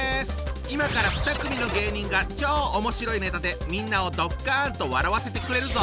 今から２組の芸人が超おもしろいネタでみんなをドッカンと笑わせてくれるぞ！